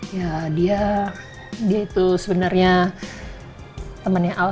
ya dia dia itu sebenarnya temannya al